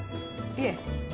いえ。